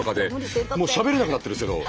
もうしゃべれなくなってるんですけど。